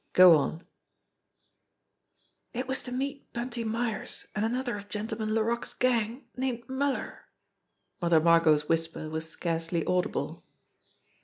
Go on !" "It was to meet Bunty Myers an' another of Gentleman Laroque's gang named Muller." Mother Margot's whisper was scarcely audible.